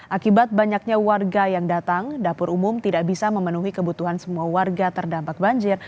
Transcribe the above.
akibat banyaknya warga yang datang dapur umum tidak bisa memenuhi kebutuhan semua warga terdampak banjir